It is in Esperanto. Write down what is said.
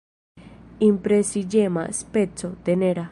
Impresiĝema, speco, tenera.